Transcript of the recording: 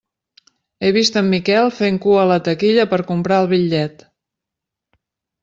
He vist en Miquel fent cua a la taquilla per comprar el bitllet.